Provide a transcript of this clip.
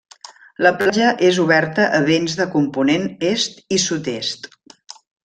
La platja és oberta a vents de component est i sud-est.